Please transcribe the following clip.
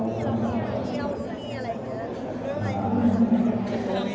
ทีนี่ก็ฮัทพี่เราก็ดีเอาอย่างงี่อะไรเว้ย